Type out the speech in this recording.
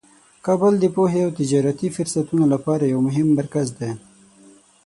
کابل د پوهې او تجارتي فرصتونو لپاره یو مهم مرکز دی.